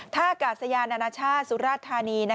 ท่ากาศยานานาชาติสุราธานี